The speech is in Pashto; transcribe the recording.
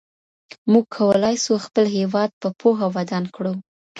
موږ کولای سو خپل هېواد په پوهه ودان کړو.